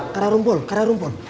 kera rumpul kera rumpul